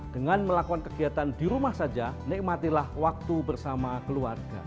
dengan melakukan kegiatan di rumah saja nikmatilah waktu bersama keluarga